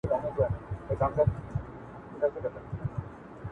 چي ايږه دي نه وي نيولې، څرمن ئې مه خرڅوه.